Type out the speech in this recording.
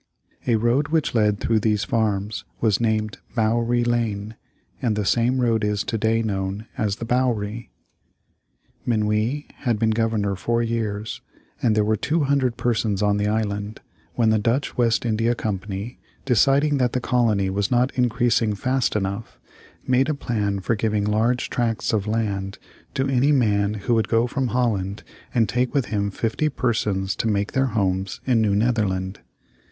A road which led through these farms was named Bouwerie Lane, and the same road is to day known as The Bowery. Minuit had been Governor four years, and there were 200 persons on the island, when the Dutch West India Company, deciding that the colony was not increasing fast enough, made a plan for giving large tracts of land to any man who would go from Holland and take with him fifty persons to make their homes in New Netherland.